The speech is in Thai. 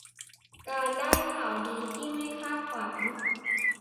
การได้ข่าวดีที่ไม่คาดฝัน